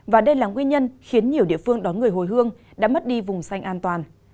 và đây là nguyên nhân khiến nhiều địa phương đón người hồi hương đã mất đi vùng xanh an toàn